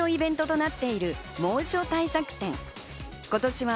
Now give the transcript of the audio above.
夏恒例のイベントとなっている猛暑対策展。